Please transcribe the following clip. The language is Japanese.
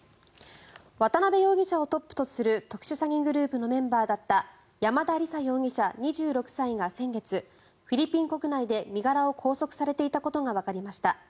渡邉容疑者をトップとする特殊詐欺グループのメンバーだった山田李沙容疑者、２６歳が先月、フィリピンで身柄を拘束されていたことがわかりました。